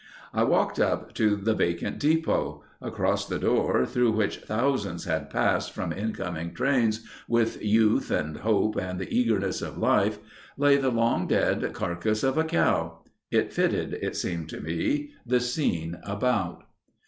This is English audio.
I walked up to the vacant depot. Across the door, through which thousands had passed from incoming trains with youth and hope and the eagerness of life, lay the long dead carcass of a cow. It fitted, it seemed to me, the scene about.